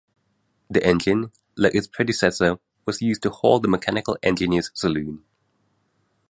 The engine, like its predecessor, was used to haul the Mechanical Engineer's saloon.